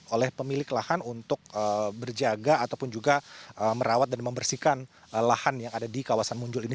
oleh pemilik lahan untuk berjaga ataupun juga merawat dan membersihkan lahan yang ada di kawasan muncul ini